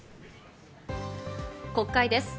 国会です。